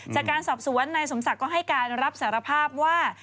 จากการสอบสวนนายสมศักดิ์ก็ให้การรับสารภาพว่า